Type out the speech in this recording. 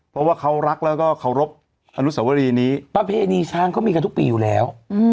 เพราะว่าเขารักแล้วก็เคารพอนุสวรีนี้ประเพณีช้างเขามีกันทุกปีอยู่แล้ว